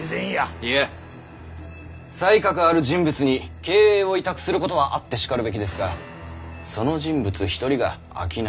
いや才覚ある人物に経営を委託することはあってしかるべきですがその人物一人が商いのやり方や利益を